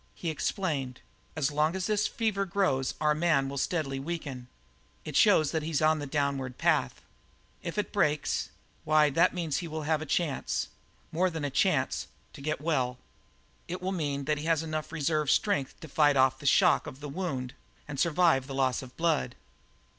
He explained: "As long as this fever grows our man will steadily weaken; it shows that he's on the downward path. If it breaks why, that means that he will have a chance more than a chance to get well. It will mean that he has enough reserve strength to fight off the shock of the wound and survive the loss of the blood."